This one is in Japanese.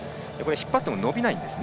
引っ張っても伸びないんですね。